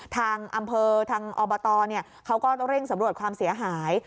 ทางอำเภอทางอบตเขาก็ต้องเร่งสำรวจความเสียหาย